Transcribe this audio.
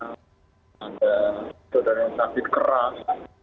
ada saudara yang sakit keras